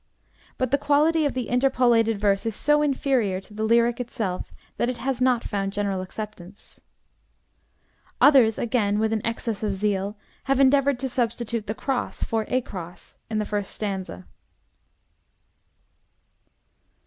But the quality of the interpolated verse is so inferior to the lyric itself that it has not found general acceptance. Others, again, with an excess of zeal, have endeavored to substitute "the Cross" for "a cross" in the first stanza.